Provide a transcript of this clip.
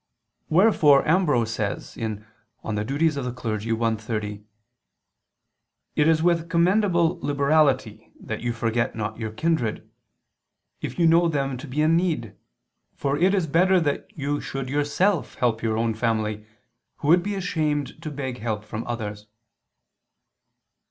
Wherefore Ambrose says (De Officiis i, 30): "It is with commendable liberality that you forget not your kindred, if you know them to be in need, for it is better that you should yourself help your own family, who would be ashamed to beg help from others."